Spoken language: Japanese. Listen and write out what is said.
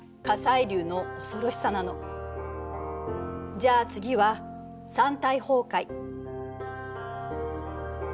じゃあ次は山体崩壊。